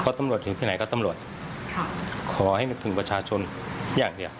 เพราะตำรวจถึงที่ไหนก็ตำรวจค่ะขอให้นึกถึงประชาชนอย่างเดียว